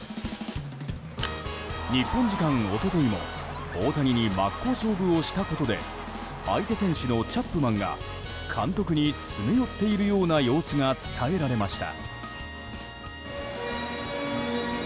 日本時間一昨日も大谷に真っ向勝負をしたことで相手選手のチャップマンが監督に詰め寄っているような様子が伝えられました。